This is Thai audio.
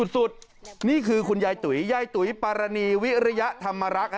นี่คือคุณยายตุ๋ยยายตุ๋ยปารณีวิริยธรรมรักษ์